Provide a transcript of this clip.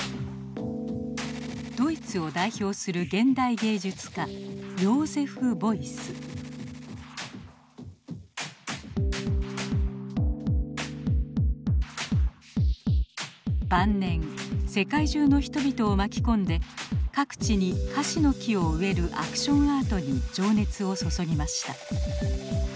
ドイツを代表する現代芸術家晩年世界中の人々を巻き込んで各地に樫の木を植えるアクションアートに情熱を注ぎました。